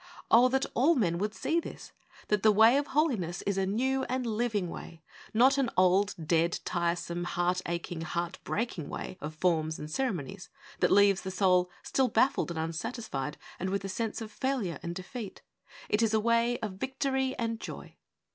Oh, that all men would see this — that the way of Holiness is a ' new and living way,' not an old, dead, tiresome, heart aching, heart breaking way of forms and ceremonies, that leaves the soul still baffled and unsatisfied, and with a sense of failure and defeat ! It is a way of victory and joy.